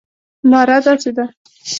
ناره داسې ده.